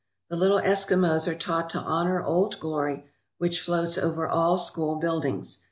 The little Eskimos are taught to honour Old Glory, which floats over all school buildings.